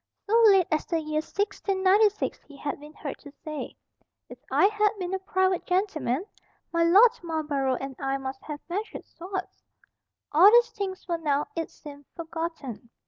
So late as the year 1696 he had been heard to say, "If I had been a private gentleman, my Lord Marlborough and I must have measured swords." All these things were now, it seemed, forgotten.